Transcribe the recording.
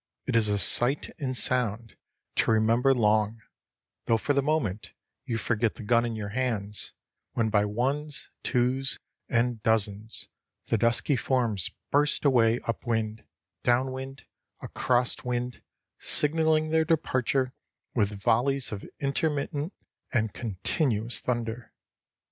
It is a sight and sound to remember long, though for the moment you forget the gun in your hands, when by ones, twos, and dozens the dusky forms burst away up wind, down wind, across wind, signalling their departure with volleys of intermittent and continuous thunder.